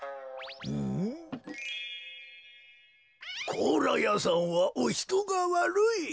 甲羅屋さんはおひとがわるい。